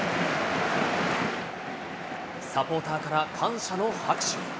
サポーターから感謝の拍手。